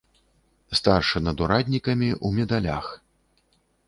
Старшы над ураднікамі, у медалях.